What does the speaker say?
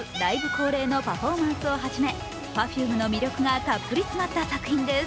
恒例のパフォーマンスをはじめＰｅｒｆｕｍｅの魅力がたっぷり詰まった作品です。